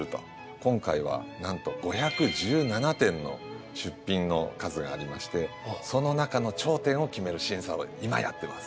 今回はなんと５１７点の出品の数がありましてその中の頂点を決める審査を今やってます。